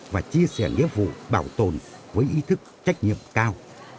và chia sẻ nghĩa vụ bảo tồn với ý thức trách nhiệm cao